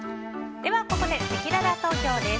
ここでせきらら投票です。